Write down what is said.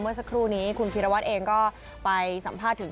เมื่อสักครู่นี้คุณพีรวัตรเองก็ไปสัมภาษณ์ถึง